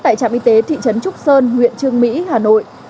tại trạm y tế thị trấn trúc sơn huyện trương mỹ hà nội